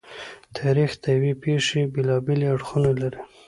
تاریخ د یوې پېښې بېلابېلې اړخونه لري.